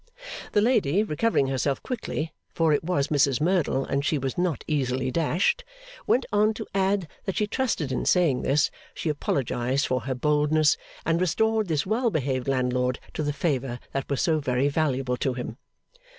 The lady, recovering herself quickly for it was Mrs Merdle and she was not easily dashed went on to add that she trusted in saying this, she apologised for her boldness, and restored this well behaved landlord to the favour that was so very valuable to him.